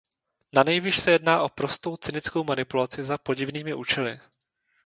Nanejvýš se jedná o prostou cynickou manipulaci za podivnými účely.